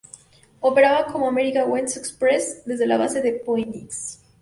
Operaba como America West Express desde la base de Phoenix.